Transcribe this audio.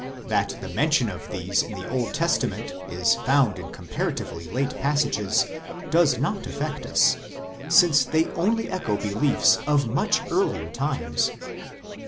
That the mention of these in the Old Testament is found in comparatively late passages does not affect us, since they only echo beliefs of much earlier times.